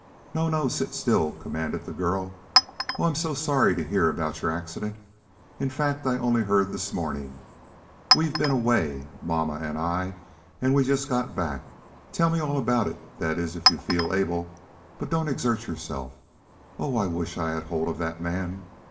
"No! no! Sit still!" commanded the girl. "Oh! I'm so sorry to hear about your accident! In fact, I only heard this morning. We've been away, mamma and I, and we just got back. Tell me all about it, that is, if you feel able. But don't exert yourself. Oh! I wish I had hold of that man!"